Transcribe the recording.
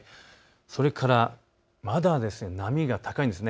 それからまだ波が高いんです。